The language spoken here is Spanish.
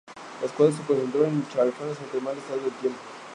La escuadra se concentró en Chafarinas ante el mal estado del tiempo.